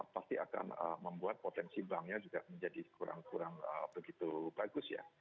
pasti akan membuat potensi banknya juga menjadi kurang kurang begitu bagus ya